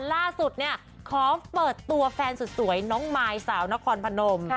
ล่าสุดขอเปิดตัวแฟนสุดน้องมายสาวนครพนม